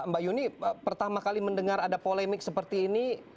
mbak yuni pertama kali mendengar ada polemik seperti ini